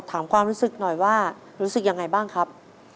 ถามความรู้สึกหน่อยว่ารู้สึกยังไงบ้างครับ